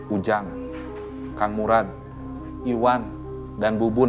ujang kang murad iwan dan bubun